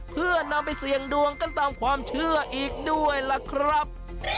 เพื่อนำไปเสี่ยงดวงกันตามความเชื่ออีกด้วยล่ะครับ